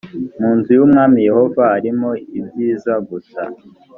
mu nzu y’umwami yehova arimo ibyiza gusa